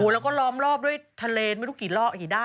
เราก็ล้อมรอบด้วยทะเลไม่รู้กี่ล่อง่านนี่นะ